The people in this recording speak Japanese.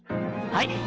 はい！